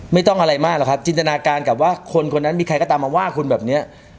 ไม่ต้องอะไรมากหรอกครับจินตนาการกับว่าคนคนนั้นมีใครก็ตามมาว่าคุณแบบนี้